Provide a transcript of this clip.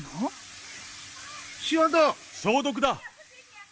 消毒だ！